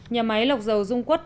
nhà máy lọc dầu dung quất